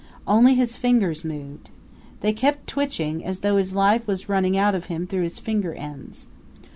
Only his fingers moved. They kept twitching, as though his life was running out of him through his finger ends.